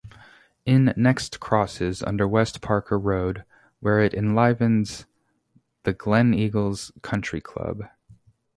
It next crosses under West Parker Road where it enlivens the Gleneagles Country Club.